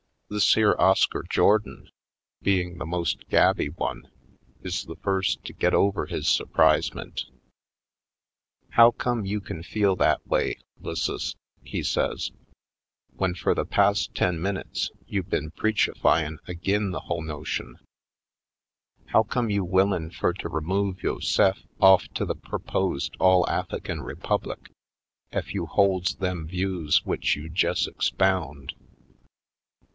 This here Oscar Jordan, being the most gabby one, is the first to get over his surprisement. "How come you kin feel that way, 'Lis ses," he says, "w'en fur the pas' ten minutes you been preachifyin' agin the whole no tion ? How come you willin' fur to remove yo'se'f off to the perposed All Affikin Re public ef you holds them views w'ich you jest expound?"